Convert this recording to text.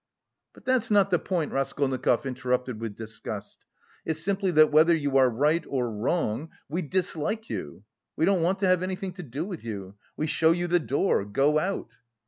"But that's not the point," Raskolnikov interrupted with disgust. "It's simply that whether you are right or wrong, we dislike you. We don't want to have anything to do with you. We show you the door. Go out!"